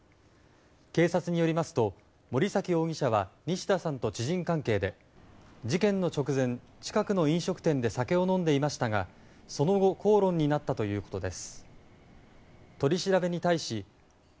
警察によりますと森崎容疑者は西田さんと知人関係で事件の直前近くの飲食店で酒を飲んでいましたがその後口論になったということです。